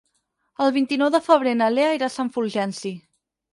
El vint-i-nou de febrer na Lea irà a Sant Fulgenci.